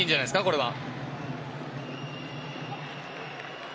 これは。